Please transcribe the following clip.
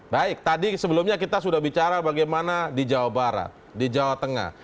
baik tadi sebelumnya kita sudah bicara bagaimana di jawa barat di jawa tengah